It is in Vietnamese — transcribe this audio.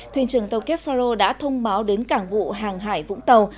thuyền trưởng tàu kefaro đã thông báo đến cảng vụ hàng hải vũng tàu